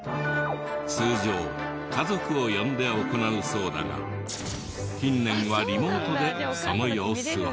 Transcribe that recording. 通常家族を呼んで行うそうだが近年はリモートでその様子を。